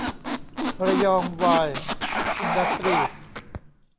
ระยองไวร์ อินดัสตรีส์